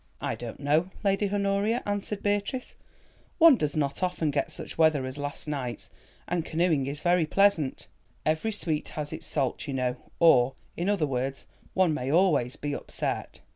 "I don't know, Lady Honoria," answered Beatrice. "One does not often get such weather as last night's, and canoeing is very pleasant. Every sweet has its salt, you know; or, in other words, one may always be upset."